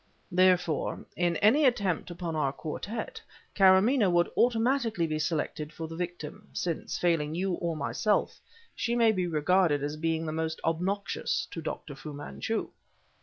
Therefore, in any attempt upon our quartet, Karamaneh would automatically be selected for the victim, since failing you or myself she may be regarded as being the most obnoxious to Dr. Fu Manchu."